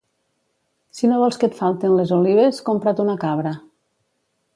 Si no vols que et falten les olives, compra't una cabra.